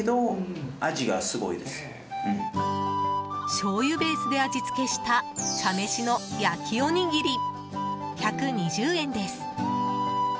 しょうゆベースで味付けした茶飯の焼きおにぎり１２０円です。